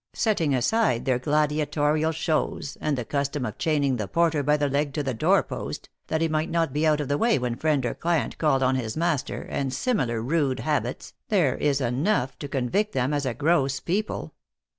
Setting aside their gladiatorial shows, and the custom of chaining the porter by the leg to the door post, that he might not be out of the way when friend or client called on his master, and similar rude habits, there is enough to convict them as a gross people.